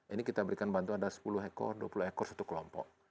ini kita berikan bantuan ada sepuluh ekor dua puluh ekor satu kelompok